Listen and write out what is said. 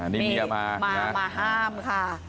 นี่มาห้ามค่ะ